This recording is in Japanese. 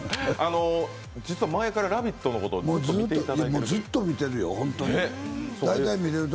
実は前から「ラヴィット！」のことをずっと見ていただいていると。